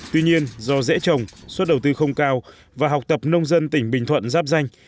tuy nhiên do dễ trồng suất đầu tư không cao và học tập nông dân tỉnh bình thuận giáp danh